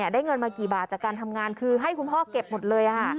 ได้เงินมากี่บาทจากการทำงานคือให้คุณพ่อเก็บหมดเลย